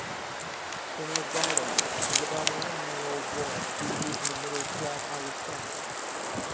"Prenez Garde" is about a nine-year-old boy who lives in a middle-class Irish family.